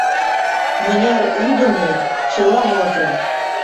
Мыняр ӱдымӧ — чыла возо.